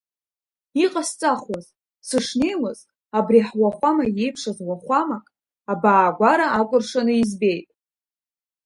Иҟасҵахуаз, сышнеиуаз, абри ҳуахәама иеиԥшыз уахәамак, абаагәара акәыршаны избеит.